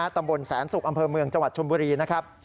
ตำบลแสนสุกอำเภอเมืองจังหวัดชนบุรีนะครับ